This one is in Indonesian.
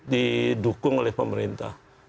didukung oleh pemerintah